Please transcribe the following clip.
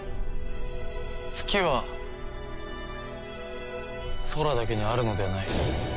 月は空だけにあるのではない。